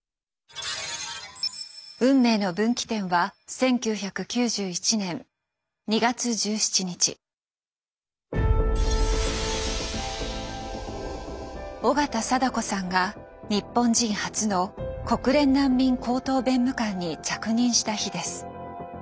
運命の分岐点は緒方貞子さんが日本人初の国連難民高等弁務官に着任した日です。